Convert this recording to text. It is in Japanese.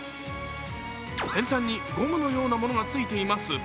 先端にゴムのようなものがついています。